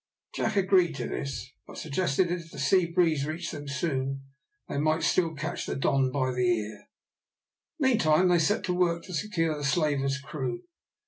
Jack agreed to this, but suggested that if the sea breeze reached them soon, they might still catch the Don by the ear. Meantime they set to work to secure the slaver's crew.